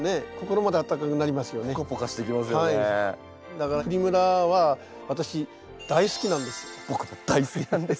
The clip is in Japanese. だからプリムラは私大好きなんです！